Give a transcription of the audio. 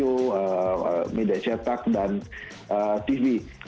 ada beberapa kata kata yang saya ingin mengingatkan